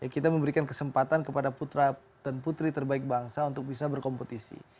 kita memberikan kesempatan kepada putra dan putri terbaik bangsa untuk bisa berkompetisi